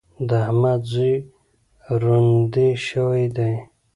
د احمد زوی روندی شوی دی.